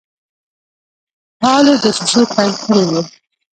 فعالي دسیسې پیل کړي وې.